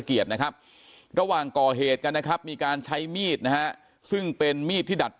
เกียรตินะครับระหว่างก่อเหตุกันนะครับมีการใช้มีดนะฮะซึ่งเป็นมีดที่ดัด